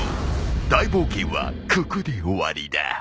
大冒険はここで終わりだ。